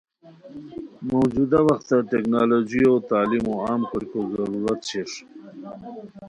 موجودہ وختہ ٹیکنالوجیو تعلیمو عام کوریکو ضرورت شیر